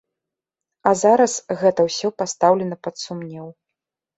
А зараз гэта ўсё пастаўлена пад сумнеў.